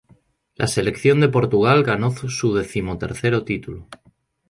La selección de Portugal ganó su decimotercero título.